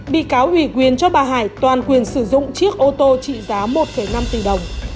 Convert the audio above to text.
bị cáo ủy quyền cho bà hải toàn quyền sử dụng chiếc ô tô trị giá một năm tỷ đồng